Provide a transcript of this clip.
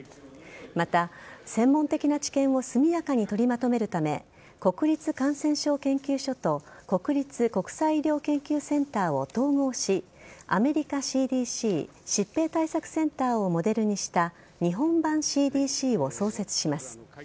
また、専門的な知見を速やかに取りまとめるため国立感染症研究所と国立国際医療研究センターを統合しアメリカＣＤＣ＝疾病対策センターをモデルにした日本版ＣＤＣを創設します。